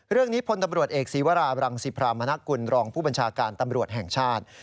พลตำรวจเอกศีวราบรังสิพรามณกุลรองผู้บัญชาการตำรวจแห่งชาติ